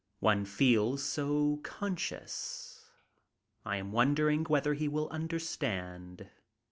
One feels so conscious. I am wondering whether he will understand.